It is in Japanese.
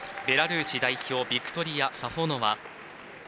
ベラルーシ代表ビクトリア・サフォノワ。